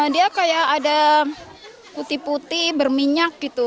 dia kayak ada putih putih berminyak gitu